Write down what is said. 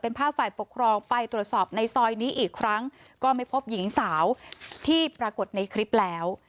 เป็นภาพฝ่ายปกครองไปตรวจสอบในซอยนี้อีกครั้งก็ไม่พบหญิงสาวที่ปรากฏในคลิปแล้ว